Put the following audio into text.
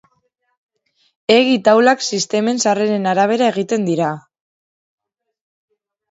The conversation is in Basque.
Egi taulak sistemen sarreren arabera egiten dira.